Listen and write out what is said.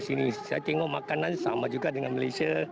saya cengok makanan sama juga dengan malaysia